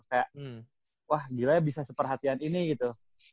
kayak wah gila bisa seperhatian ini gitu